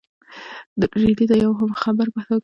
رېدی د یو مخبر په توګه اصفهان ته تللی و.